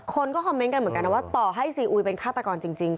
คนก็คอมเมนต์กันเหมือนกันนะว่าต่อให้ซีอุยเป็นฆาตกรจริง